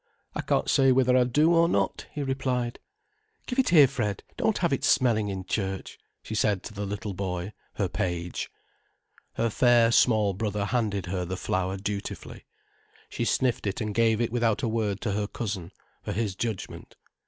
"I can't say whether I do or not," he replied. "Give it here, Fred, don't have it smelling in church," she said to the little boy, her page. Her fair, small brother handed her the flower dutifully. She sniffed it and gave it without a word to her cousin, for his judgment.